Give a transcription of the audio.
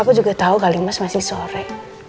aku juga tau kali mas masih sore